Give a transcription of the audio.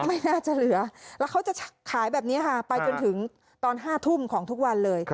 ไม่น่าจะเหลือแล้วเขาจะขายแบบนี้ค่ะไปจนถึงตอน๕ทุ่มของทุกวันเลย